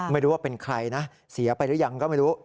ไม่รู้ว่าเป็นใครนะเสียไปหรือยังก็ไม่รู้